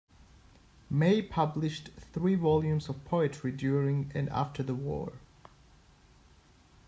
May published three volumes of poetry during and after the war.